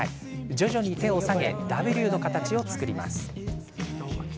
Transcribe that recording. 徐々に手を下げＷの形を作ります。